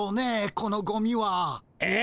このゴミは。え？